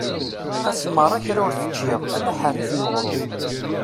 Ass merra kra ur t-ččiɣ ala aḥerrif n uɣrum.